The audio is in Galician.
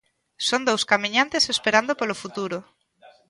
Son dous camiñantes esperando polo futuro.